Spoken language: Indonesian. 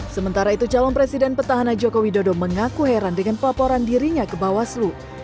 sementara itu calon presiden petahana joko widodo mengaku heran dengan pelaporan dirinya ke bawaslu